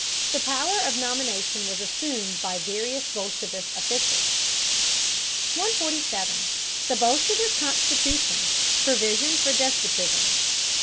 The power of nomination was assumed by various bolshevist officials. 147. THE BOLSHEVIST CONSTITUTION: PROVISION FOR A DESPOTISM.